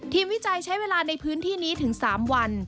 วิจัยใช้เวลาในพื้นที่นี้ถึง๓วัน